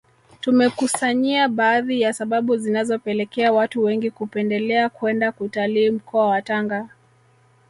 Tumekukusanyia baadhi ya sababu zinazopelekea watu wengi kupendelea kwenda kutalii mkoa wa Tanga